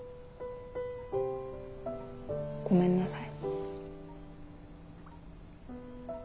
ごめんなさい。